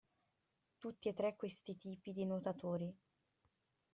Tutti e tre questi tipi di nuotatori.